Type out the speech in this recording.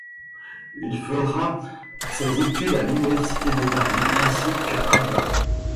Il fera ses études à l'université de Paris ainsi qu'à Harvard.